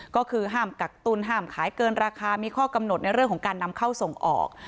ก็คือห้ามกักตุ้นห้ามขายเกินราคามีข้อกำหนดในเรื่องของการนำเข้าส่งออก